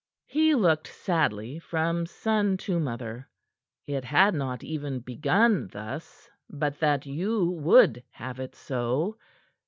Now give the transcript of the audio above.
He looked sadly from son to mother. "It had not even begun thus, but that you would have it so.